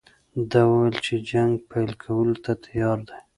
ده وویل چې جنګ پیل کولو ته تیار دی.